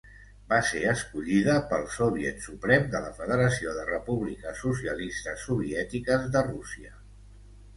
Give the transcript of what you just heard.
Va ser escollida pel Soviet Suprem de la Federació de Repúbliques Socialistes Soviètiques de Rússia.